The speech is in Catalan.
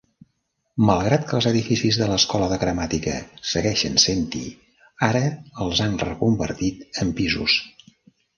Malgrat que els edificis de l'escola de gramàtica segueixen sent-hi, ara els han reconvertit en pisos.